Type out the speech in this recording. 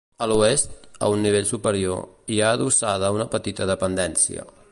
A l'oest, a un nivell superior, hi ha adossada una petita dependència.